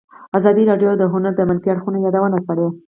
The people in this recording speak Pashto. ازادي راډیو د هنر د منفي اړخونو یادونه کړې.